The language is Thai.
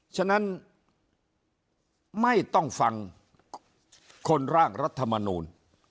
ฉะนั้นไม่ต้องฟังคนร่างรัฐมนูล